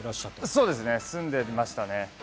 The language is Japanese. そうですね、住んでましたね。